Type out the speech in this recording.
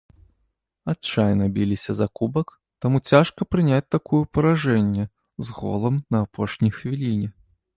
Адчайна біліся за кубак, таму цяжка прыняць такую паражэнне, з голам на апошняй хвіліне.